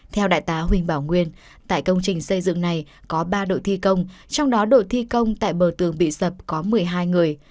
theo đại tá huỳnh bảo nguyên tại công trình xây dựng này có ba đội thi công trong đó đội thi công tại bờ tường bị sập có một mươi hai người